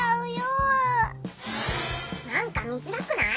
なんか見づらくない？